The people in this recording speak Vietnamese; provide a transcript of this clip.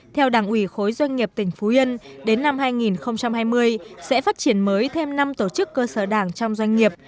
theo đảng ủy khối doanh nghiệp tỉnh phú yên đến năm hai nghìn hai mươi sẽ phát triển mới thêm năm tổ chức cơ sở đảng trong doanh nghiệp